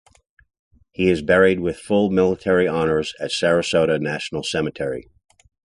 He is buried with full military honors at Sarasota National Cemetery.